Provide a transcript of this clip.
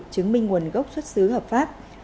chứng minh nguồn gốc xuất xứ hợp pháp